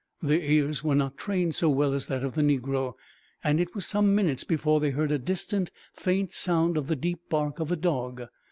Their ears were not trained so well as that of the negro, and it was some minutes before they heard a distant, faint sound of the deep bark of a dog.